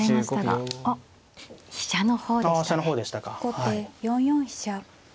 後手４四飛車。